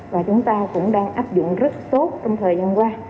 và chúng ta cũng đang áp dụng rất tốt trong thời gian qua